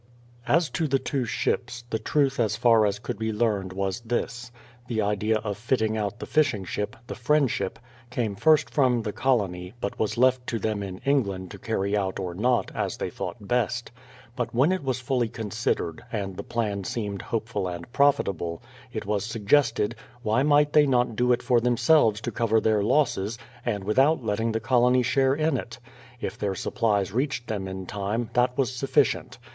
As to the two ships, the truth as far as could be learned was this. The idea of fitting out the fishing ship — the Friendship — came first from the colony, but was left to them in England to carry out or not, as they thought best. But when it was fully considered, and the plan seemed hopeful and profitable, it was suggested: why might they not do it for themselves to cover their losses, and without letting the colony share in it. If their supplies reached them in time, that was sufficient.